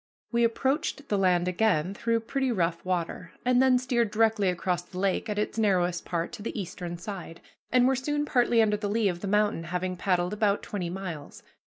We approached the land again through pretty rough water, and then steered directly across the lake at its narrowest part to the eastern side, and were soon partly under the lee of the mountain, having paddled about twenty miles.